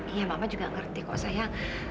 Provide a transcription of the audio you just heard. iya mama juga ngerti kok saya